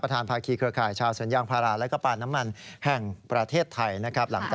ประธานภาคีเครือข่ายชาวสัญญาณภาระและปลาน้ำมันแห่งประเทศไทยนะครับ